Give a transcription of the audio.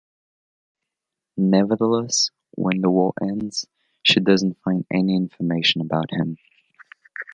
Nevertheless, when the war ends, she doesn’t find any information about him.